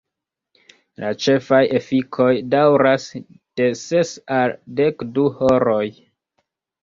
La ĉefaj efikoj daŭras de ses al dekdu horoj.